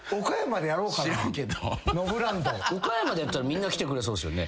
岡山でやったらみんな来てくれそうっすよね。